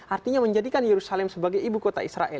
artinya menjadikan yerusalem sebagai ibu kota israel